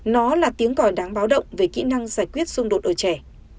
nó là tiếng còi đáng báo động về kỹ năng giải quyết xung đột ở trẻ